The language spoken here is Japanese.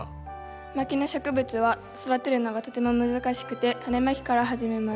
牧野植物は育てるのがとても難しくてタネまきから始めます。